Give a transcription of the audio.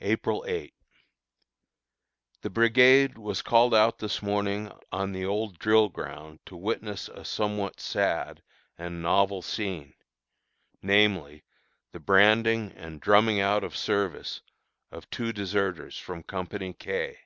April 8. The brigade was called out this morning on the old drill ground to witness a somewhat sad and novel scene, namely, the branding and drumming out of service of two deserters from Company K.